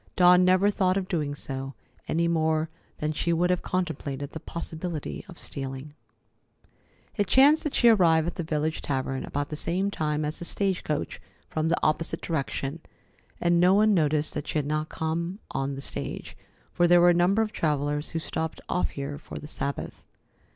Dawn never thought of doing so, any more than she would have contemplated the possibility of stealing. It chanced that she arrived at the village tavern about the same time as the stage coach from the opposite direction, and no one noticed that she had not come on the stage, for there were a number of travellers who stopped off here for the Sabbath.